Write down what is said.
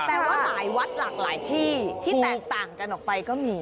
แต่ว่าหลายวัดหลากหลายที่ที่แตกต่างกันออกไปก็มี